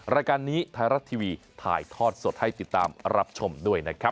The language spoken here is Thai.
รายการนี้ไทยรัฐทีวีถ่ายทอดสดให้ติดตามรับชมด้วยนะครับ